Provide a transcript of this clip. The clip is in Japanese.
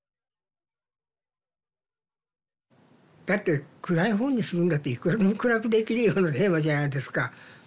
だって暗い本にするんだったらいくらでも暗くできるようなテーマじゃないですか。